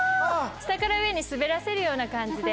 下から上に滑らせるような感じで。